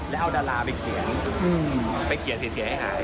แล้วเอาดาราไปเขียนเสียให้หาย